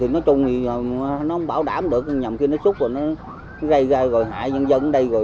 nó không bảo đảm được nhầm khi nó súc rồi nó rây ra rồi hại dân dân ở đây rồi